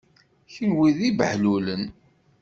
Kenwi d ibehlulen.